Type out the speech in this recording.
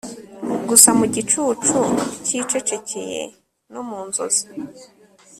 gusa mu gicucu cyicecekeye no mu nzozi